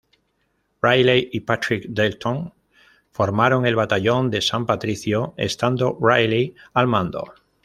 Riley y Patrick Dalton formaron el batallón de San Patricio, estando Riley al mando.